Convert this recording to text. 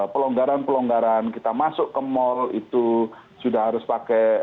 pelonggaran pelonggaran kita masuk ke mal itu sudah harus pakai